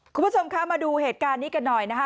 คุณผู้ชมคะมาดูเหตุการณ์นี้กันหน่อยนะคะ